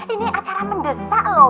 ini acara mendesak loh